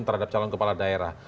terhadap calon kepala daerah